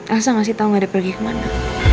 elsa ngasih tau gak ada pergi kemana